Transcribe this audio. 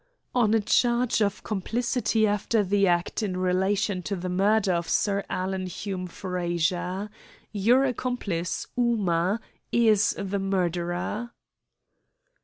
"On a charge of complicity after the act in relation to the murder of Sir Alan Hume Frazer. Your accomplice, Ooma, is the murderer."